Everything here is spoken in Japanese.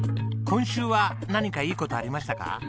今週は何かいい事ありましたか？